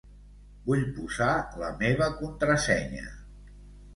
Vull posar la meva contrasenya.